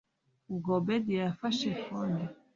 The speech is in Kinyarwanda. ubwo obedia yafashe phone